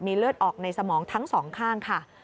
เลือดออกในสมองทั้งสองข้างค่ะ